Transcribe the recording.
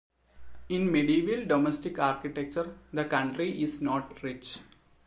In medieval domestic architecture the county is not rich.